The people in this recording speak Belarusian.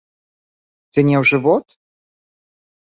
Ці не ў жывот?